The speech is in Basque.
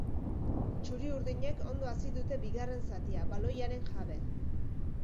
Txuriurdinek ondo hasi dute bigarren zatia, baloiaren jabe.